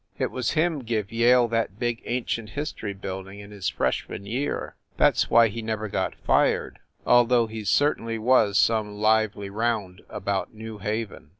It was him give Yale that big Ancient History building in his freshman year. That s why he never got fired, although he certainly was some lively round about New Haven.